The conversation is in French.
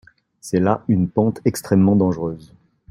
C’est là une pente extrêmement dangereuse.